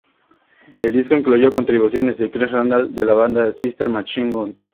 El disco incluyó contribuciones de Chris Randall de la banda Sister Machine Gun.